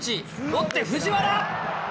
ロッテ、藤原。